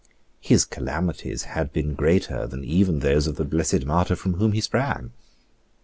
His calamities had been greater than even those of the Blessed Martyr from whom he sprang.